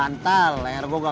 kamu itu anak perempuan